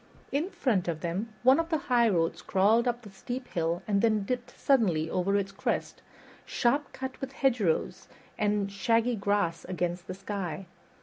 In front of them, one of the highroads crawled up the steep hill and then dipped suddenly over its crest, sharp cut with hedgerow and shaggy grass against the sky.